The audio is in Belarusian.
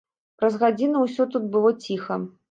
Праз гадзіну ўсё тут было ціха.